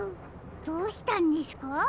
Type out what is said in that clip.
どうしたんですか？